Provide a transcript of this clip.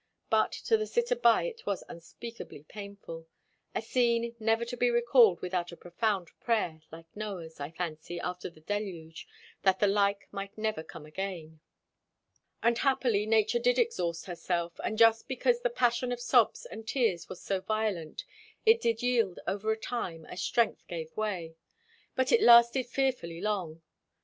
But to the sitter by it was unspeakably painful; a scene never to be recalled without a profound prayer, like Noah's, I fancy, after the deluge, that the like might never come again. And happily, nature did exhaust herself; and just because the passion of sobs and tears was so violent, it did yield after a time, as strength gave way. But it lasted fearfully long.